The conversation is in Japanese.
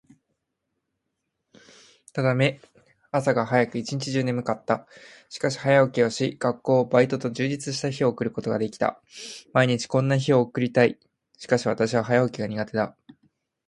私は今日大学に行った。一限だったため、朝が早く、一日中眠たかった。しかし、早起きをし、学校、バイトと充実した日を送ることができた。毎日こんな生活を送りたい。しかし私は早起きが苦手だ。